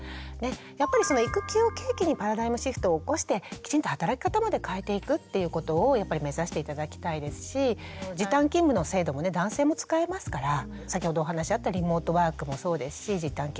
やっぱり育休を契機にパラダイムシフトを起こしてきちんと働き方まで変えていくっていうことを目指して頂きたいですし時短勤務の制度もね男性も使えますから先ほどお話あったリモートワークもそうですし時短勤務